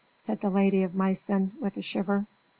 said the Lady of Meissen, with a shiver.